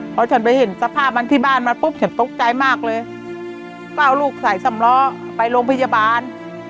พอฉันไปเห็นสภาพมันที่บ้านมาปุ๊บฉันตกใจมากเลยก็เอาลูกใส่สำล้อไปโรงพยาบาล